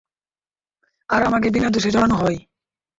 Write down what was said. আর আমাকে বিনা দোষে জড়ানো হয়।